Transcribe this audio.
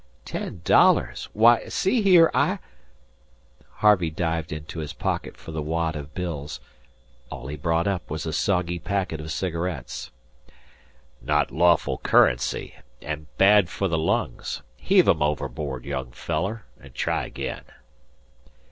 "Ten dollars! Why, see here, I " Harvey dived into his pocket for the wad of bills. All he brought up was a soggy packet of cigarettes. "Not lawful currency; an' bad for the lungs. Heave 'em overboard, young feller, and try agin."